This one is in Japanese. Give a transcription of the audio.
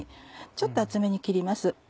ちょっと厚めに切ります。